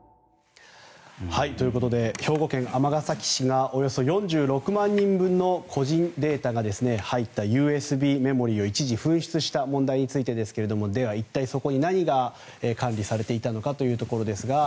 兵庫県尼崎市がおよそ４６万人分の個人データが入ったＵＳＢメモリーを一時紛失した問題についてですが一体それに何が管理されていたのかと。